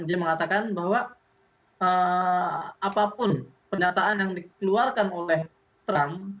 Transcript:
dia mengatakan bahwa apapun pendataan yang dikeluarkan oleh trump